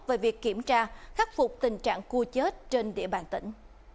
về việc kiểm tra khắc phục tình trạng cua chết trên địa bàn tỉnh